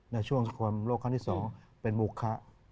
ในช่วงความโลกครั้งที่๒เป็นโมคะ